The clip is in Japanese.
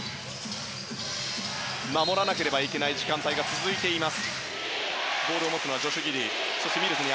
守らなければいけない時間帯が続いています。